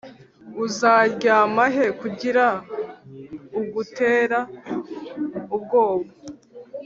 uzaryama he kugira ugutera ubwoba,